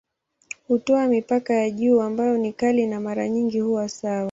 Hutoa mipaka ya juu ambayo ni kali na mara nyingi huwa sawa.